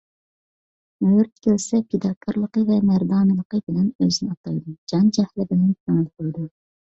مۆرىتى كەلسە پىداكارلىقى ۋە مەردانىلىقى بىلەن ئۆزىنى ئاتايدۇ، جان - جەھلى بىلەن كۆڭۈل قويىدۇ.